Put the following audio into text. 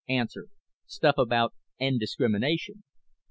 Stuff abt end discrimination.